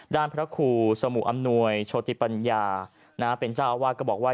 พระครูสมุอำนวยโชติปัญญาเป็นเจ้าอาวาสก็บอกว่า